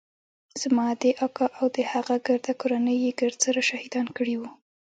زما ادې اکا او د هغه ګرده کورنۍ يې ګرد سره شهيدان کړي وو.